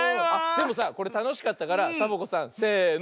でもさこれたのしかったからサボ子さんせの。